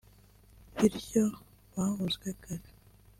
bityo bavuzwe kare